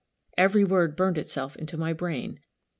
Every word burned itself into my brain.